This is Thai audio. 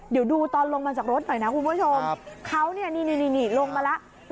เดี๋ยวดูตอนลงมาจากรถหน่อยนะคุณผู้ชมเขาเนี่ยนี่ลงมาแล้ว